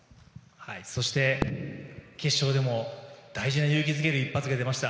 そして決勝でも大事な勇気づける一発が出ました。